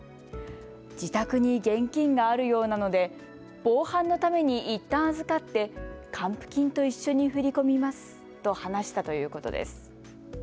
自宅に現金があるようなので防犯のためにいったん預かって還付金と一緒に振り込みますと話したということです。